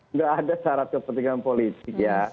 nggak ada syarat kepentingan politik ya